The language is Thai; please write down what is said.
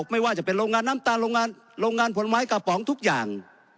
ไม่ว่าจะเป็นโรงงานน้ำตาลโรงงานผลไม้กระป๋องทุกอย่าง